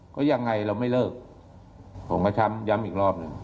ก็ยังไงเราไม่เลิกผมก็ช้ำย้ำอีกรอบหนึ่ง